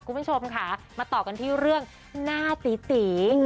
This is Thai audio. คุณผู้ชมค่ะมาต่อกันที่เรื่องหน้าตีตี